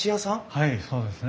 はいそうですね。